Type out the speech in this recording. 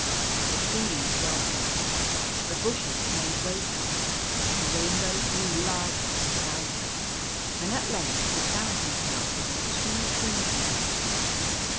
The trees welcomed him. The bushes made way for The Golden Key 175 him. The rainbow grew larger and brighter ; and at length he found himself within two trees of it.